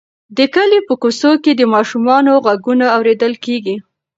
د کلي په کوڅو کې د ماشومانو غږونه اورېدل کېږي.